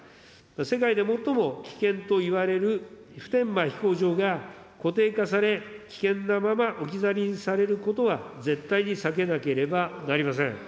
世界で最も危険といわれる普天間飛行場が固定化され、危険なまま置き去りにされることは、絶対に避けなければなりません。